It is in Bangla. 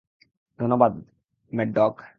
ধন্যবাদ, ম্যাড ডগ!